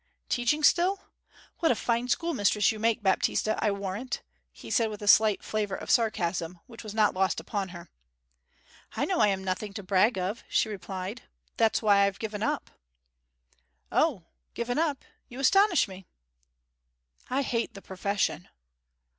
'Teaching still? What a fine schoolmistress you make, Baptista, I warrant!' he said with a slight flavour of sarcasm, which was not lost upon her. 'I know I am nothing to brag of,' she replied. 'That's why I have given up.' 'O given up? You astonish me.' 'I hate the profession.'